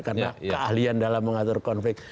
karena keahlian dalam mengatur konflik